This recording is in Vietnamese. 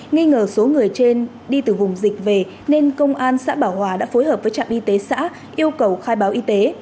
nghi ngờ số người trên đi từ vùng dịch về nên công an xã bảo hòa đã phối hợp với trạm y tế xã yêu cầu khai báo y tế